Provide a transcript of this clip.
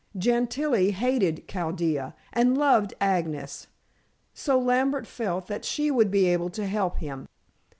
Gentilla hated Chaldea and loved Agnes, so Lambert felt that she would be able to help him.